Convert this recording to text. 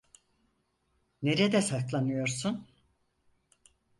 Nerede saklanıyorsun?